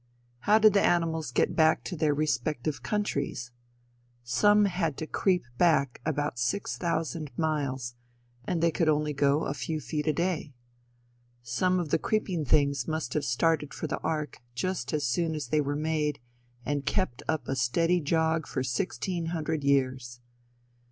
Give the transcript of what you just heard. How did the animals get back to their respective countries? Some had to creep back about six thousand miles, and they could only go a few feet a day. Some of the creeping things must have started for the ark just as soon as they were made, and kept up a steady jog for sixteen hundred years.